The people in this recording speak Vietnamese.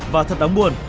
và thật đáng buồn